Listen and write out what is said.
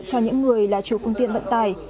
cho những người là chủ phương tiện vận tài